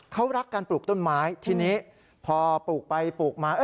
เขารักการปลูกต้นไม้ทีนี้พอปลูกไปปลูกมา